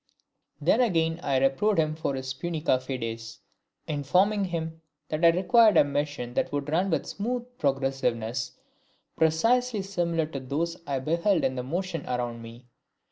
Then again I reproved him for his Punica fides, informing him that I required a machine that would run with smooth progressiveness, precisely similar to those I beheld in motion around me.